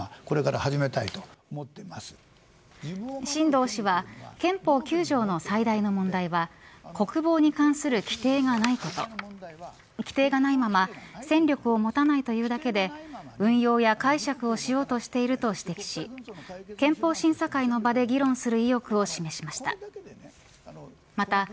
新藤氏は憲法９条の最大の問題は国防に関する規定がないこと規定がないまま戦力を持たないというだけで運用や解釈をしようとしていると指摘し憲法審査会の場で議論する意欲を示しました。